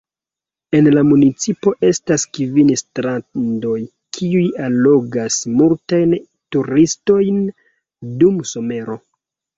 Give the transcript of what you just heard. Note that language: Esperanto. En la municipo estas kvin strandoj, kiuj allogas multajn turistojn dum somero.